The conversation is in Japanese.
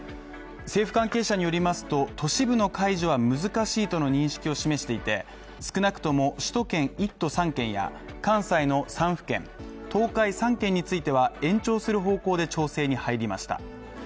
政府関係者によりますと、都市部の解除は難しいとの認識を示していて少なくとも首都圏１都３県や関西の３府県東海３県については延長する方向で調整に入りました。